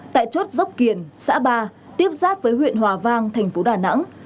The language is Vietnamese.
tại chốt dốc kiền xã ba tiếp giáp với huyện hòa vang thành phố đà nẵng